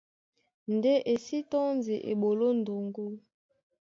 Ndé e sí tɔ́ndi eɓoló ndoŋgó.